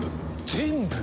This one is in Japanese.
全部？